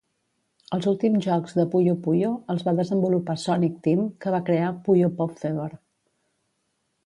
Els últims jocs de 'Puyo Puyo' els va desenvolupar Sonic Team, que va crear 'Puyo Pop Fever'.